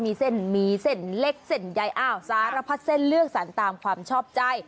มีเส้นมีเส้นเล็กเส้นใยอ้าวสารพัดเส้นเลือกสรรตามความชอบใจ